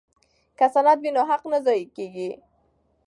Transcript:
که سند وي نو حق نه ضایع کیږي.